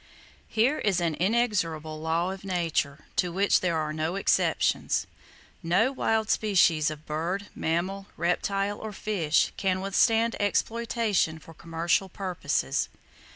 Here is an inexorable law of Nature, to which there are no exceptions: No wild species of bird, mammal, reptile or fish can withstand exploitation for commercial purposes.